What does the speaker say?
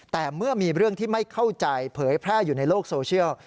แต่เมื่อมีเรื่องที่ไม่เข้าใจเผยแพร่อยู่ในโลกโซเชียล